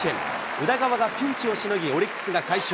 宇田川がピンチをしのぎ、オリックスが快勝。